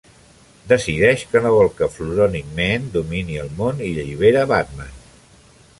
Decideix que no vol que Floronic Man domini el món i allibera Batman.